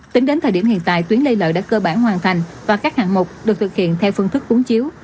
tính đến thời điểm hiện tại tuyến lê lợi đã cơ bản hoàn thành và các hạng mục được thực hiện theo phương thức uống chiếu